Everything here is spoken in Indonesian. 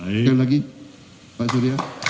sekali lagi pak surya